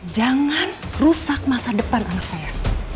jangan rusak masa depan anak saya